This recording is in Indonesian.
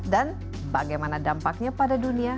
dan bagaimana dampaknya pada dunia